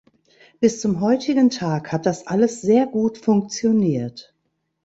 Bis zum heutigen Tag hat das alles sehr gut funktioniert.